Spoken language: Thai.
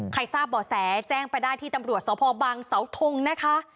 ทราบบ่อแสแจ้งไปได้ที่ตำรวจสพบังเสาทงนะคะ